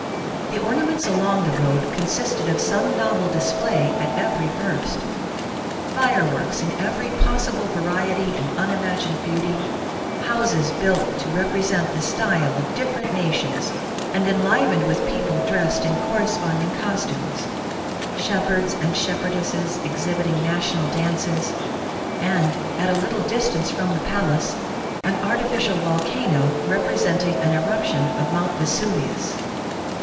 The amusements along the road consisted o/ some novel display at every verst. Fire Works in every possible variety and unimagined beauty, houses built to represent the style of different nations and en livened with people dressed in corresponding costumes, shepherds and shepherdesses exhibiting national dan ces, and, at a little distance from the palace, an arti ficial volcano representing an eruption of Mount Vesu vius.